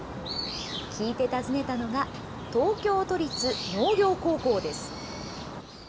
聞いて訪ねたのが、東京都立農業高校です。